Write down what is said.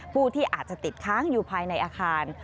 ผู้ที่อาจจะติดค้างอยู่ภายในอาคาร